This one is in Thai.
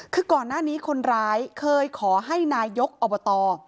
คือก่อนหน้านี้คนร้ายเคยขอให้นายกอบต